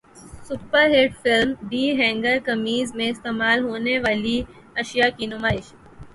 super hit film the Hunger Games میں استعمال ہونیوالی اشیاء کی نمائش